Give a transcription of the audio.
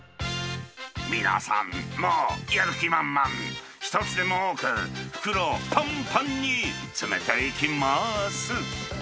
皆さん、もうやる気満々、一つでも多く袋をぱんぱんに詰めていきます。